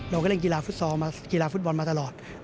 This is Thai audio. เราก็เล่นกีฬาฟุตซอลกีฬาฟุตบอลมาตลอด